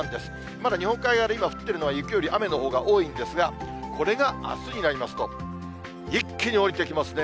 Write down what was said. まだ日本海側で今、降ってるのは雪より雨のほうが多いんですが、これがあすになりますと、一気に降りてきますね。